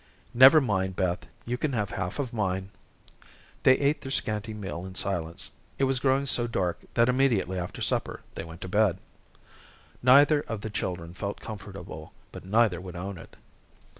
"Never mind, Beth. You can have half of mine." They ate their scanty meal in silence. It was growing so dark that immediately after supper they went to bed. Neither of the children felt comfortable, but neither would own it.